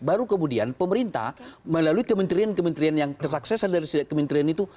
baru kemudian pemerintah melalui kementerian kementerian yang kesuksesan dari setiap kementerian itu